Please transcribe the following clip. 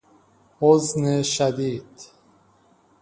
حزن شدید